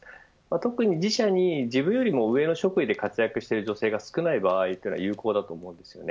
特に自社に、自分よりも上の職位で活躍している女性が少ない場合は有効だと思うんです。